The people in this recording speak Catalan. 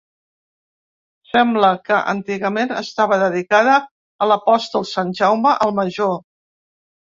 Sembla que antigament estava dedicada a l'apòstol Sant Jaume el Major.